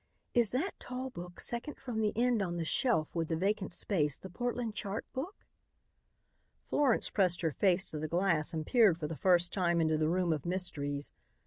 Is that tall book second from the end on the shelf with the vacant space the Portland chart book?" Florence pressed her face to the glass and peered for the first time into the room of mysteries.